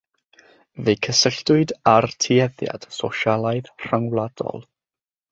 Fe'i cysylltwyd â'r Tueddiad Sosialaidd Rhyngwladol.